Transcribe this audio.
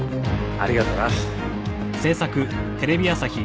ありがとな。